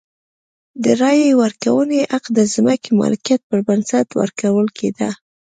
د رایې ورکونې حق د ځمکې مالکیت پر بنسټ ورکول کېده.